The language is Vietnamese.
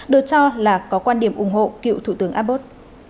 cho cho là có quan điểm ủng hộ cựu thủ tướng abbott